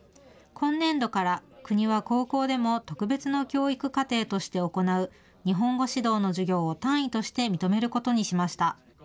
今年度から国は高校でも特別の教育課程として行う日本語指導の授業を単位として認めることにしました。